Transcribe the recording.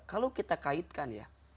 kalau kita kaitkan ya